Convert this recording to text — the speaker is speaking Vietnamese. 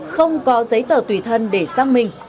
không có giấy tờ tùy thân để xác minh